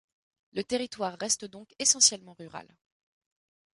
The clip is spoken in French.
Le territoire reste donc essentiellement rural.